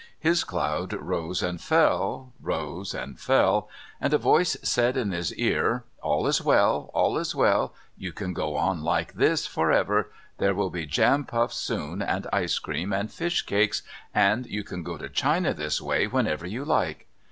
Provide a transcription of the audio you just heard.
His cloud rose and fell, rose and fell, and a voice said in his ear: "All is well! All is well! You can go on like this for ever. There will be jam puffs soon, and ice cream, and fish cakes, and you can go to China this way whenever you like."